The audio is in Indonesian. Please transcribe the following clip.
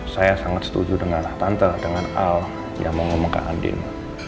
saya sangat setuju dengan tante dengan al yang mau ngomong ke andin